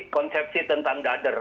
konsepsi tentang dader